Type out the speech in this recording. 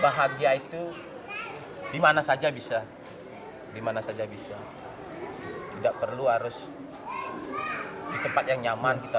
bahagia itu dimana saja bisa dimana saja bisa tidak perlu harus di tempat yang nyaman kita